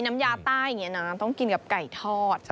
น้ำยาใต้อย่างนี้นะต้องกินกับไก่ทอด